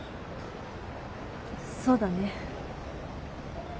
そうだね。